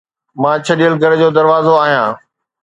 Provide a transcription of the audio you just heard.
مان ڇڏيل گهر جو دروازو آهيان